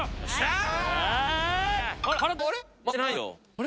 あれ？